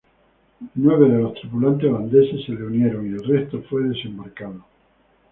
Nueve de los tripulantes holandeses se le unieron y el resto fue desembarcado.